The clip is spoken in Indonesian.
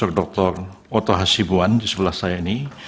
yang kedua prof dr otto hasibuan di sebelah saya ini